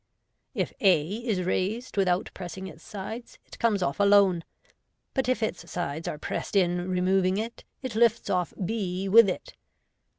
If a is raised without pressing its sides, it comes off alone; but if its sides are pressed in removing it, it lifts off b with it.